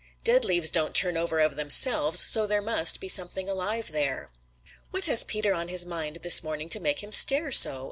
Dead leaves don't turn over of themselves, so there must be something alive there. "What has Peter on his mind this morning to make him stare so?"